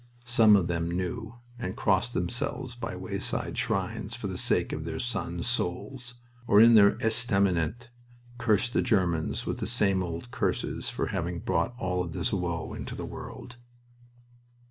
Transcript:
Some of them knew, and crossed themselves by wayside shrines for the sake of their sons' souls, or in their estaminets cursed the Germans with the same old curses for having brought all this woe into the world.